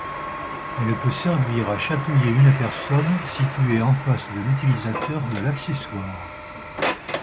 Elle peut servir à chatouiller une personne située en face de l'utilisateur de l'accessoire.